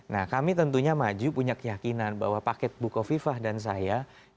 nah kami tentunya maju punya keyakinan bahwa paket buku fifah dan saya ini bisa lebih menjawab apa yang dibutuhkan